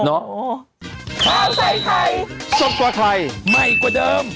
โอ้โฮ